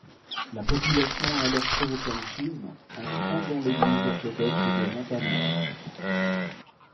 La population a alors provoqué un schisme, en fondant l'église orthodoxe de Montaner.